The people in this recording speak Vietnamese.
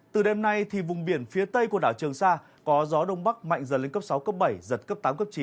từ đêm nay vùng biển phía tây của đảo trường sa có gió đông bắc mạnh dần lên cấp sáu cấp bảy giật cấp tám cấp chín